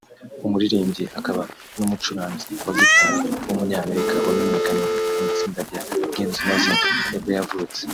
umuririmbyi akaba n’umucuranzi wa guitar w’umunyamerika wamenyekanye mu itsinda rya Guns N’ Roses nibwo yavutse